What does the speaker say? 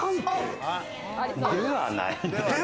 ではない。